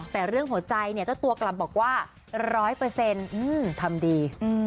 แต่เรื่องหัวใจเนี่ยเจ้าตัวกลับบอกว่า๑๐๐ทำดี